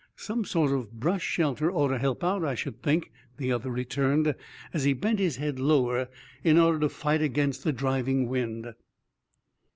"Some sort of brush shelter ought to help out, I should think," the other returned, as he bent his head lower in order to fight against the driving wind.